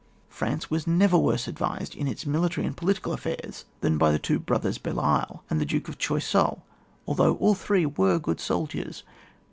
France was never worse advised in its militaij and political affairs than by the two Brothers BeUeisle and the Duke of Ghoiseul, although all three were good soldiers.